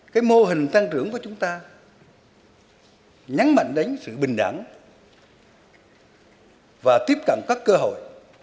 cái mô hình tăng trưởng của chúng ta nhắn mạnh đến sự bình đẳng và tiếp cận các cơ hội